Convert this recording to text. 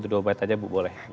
itu lagu baik baik aja bu boleh